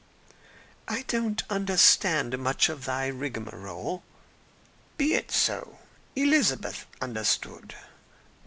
"I don't understand much of thy rigmarole." "Be it so. Elizabeth understood.